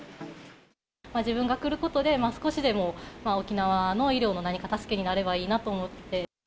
自分が来ることで、少しでも沖縄の医療の何か助けになればいいなと思って。